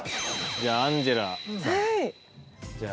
じゃあアンジェラさん。